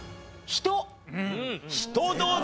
人どうだ？